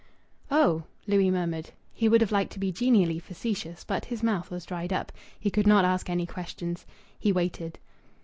"Oh!" Louis murmured. He would have liked to be genially facetious, but his mouth was dried up. He could not ask any questions. He waited.